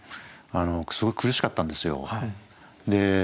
すごい苦しかったんですよ。